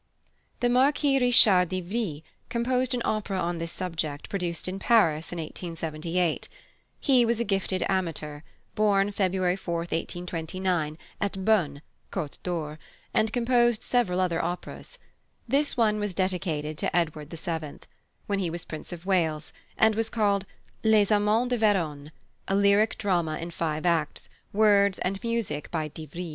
The +Marquis Richard d'Ivry+ composed an opera on this subject, produced in Paris in 1878. He was a gifted amateur, born, February 4, 1829, at Beaune (Côte d'Or), and composed several other operas. This one was dedicated to Edward VII. when he was Prince of Wales, and was called Les Amants de Verone, a lyric drama in five acts, words and music by d'Ivry.